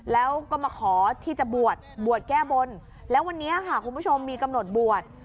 แล้วก็มาขอที่จะบวชบวชแก้บนแล้ววันนี้ค่ะคุณผู้ชมมีกำหนดบวช